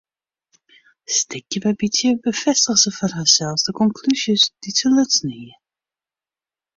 Stikje by bytsje befêstige se foar harsels de konklúzjes dy't se lutsen hie.